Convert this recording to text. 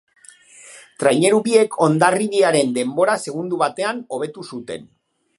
Traineru biek Hondarribiaren denbora segundo batean hobetu zuten.